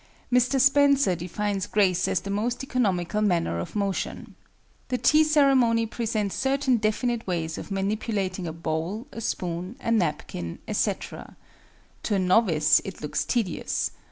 Mr. Spencer defines grace as the most economical manner of motion. The tea ceremony presents certain definite ways of manipulating a bowl, a spoon, a napkin, etc. To a novice it looks tedious.